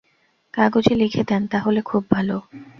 কাগজে লিখে দেন, তাহলে খুব ভালো।